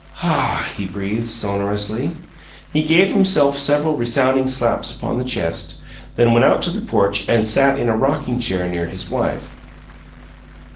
"HAH!" he breathed, sonorously. He gave himself several resounding slaps upon the chest, then went out to the porch and sat in a rocking chair near his wife.